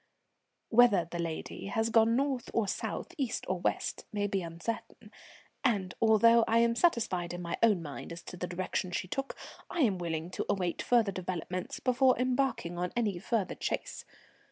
"Whether the lady has gone north or south, east or west, may be uncertain; and although I am satisfied in my own mind as to the direction she took, I am willing to await further developments before embarking on any further chase.